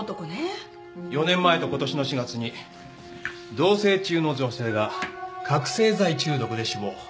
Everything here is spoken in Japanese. ４年前とことしの４月に同棲中の女性が覚せい剤中毒で死亡。